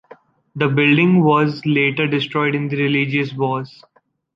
The building was later destroyed in the religious wars.